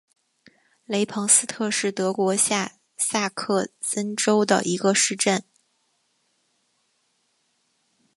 雷彭斯特是德国下萨克森州的一个市镇。